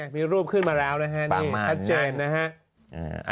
มีรูปขึ้นมาแล้วนะฮะทัศน์นะฮะ